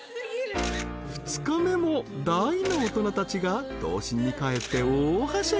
［２日目も大の大人たちが童心に帰って大はしゃぎ］